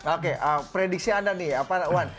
oke prediksi anda nih apa ridwan